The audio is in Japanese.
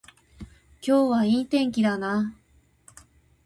今日はいい天気だな